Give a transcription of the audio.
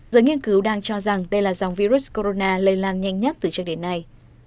giới nghiên cứu đang cho rằng đây là dòng virus corona lây lan nhanh nhất từ trước đến nay